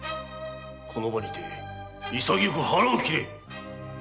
この場にて潔く腹を切れ！